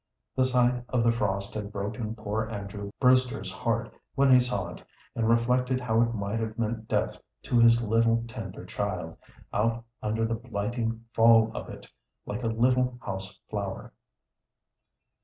The sight of the frost had broken poor Andrew Brewster's heart when he saw it, and reflected how it might have meant death to his little tender child out under the blighting fall of it, like a little house flower.